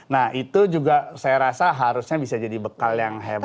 nah itu juga saya rasa harusnya bisa jadi bekal yang hebat